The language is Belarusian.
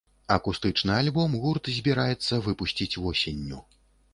Акустычны альбом гурт збірацца выпусціць восенню.